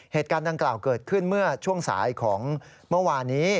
เหตุการณ์ดังกล่าวเกิดขึ้นเมื่อช่วงสายของเมื่อวานี้